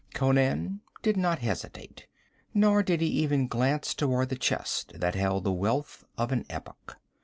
Conan did not hesitate, nor did he even glance toward the chest that held the wealth of an epoch.